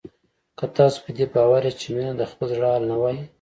که تاسو په دې باور یاست چې مينه د خپل زړه حال نه وايي